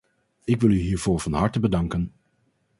Ik wil u hiervoor van harte bedanken!